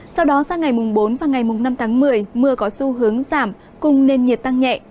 sau đó sang ngày mùng bốn và ngày mùng năm tháng một mươi mưa có xu hướng giảm cùng nền nhiệt tăng nhẹ